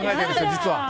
実は。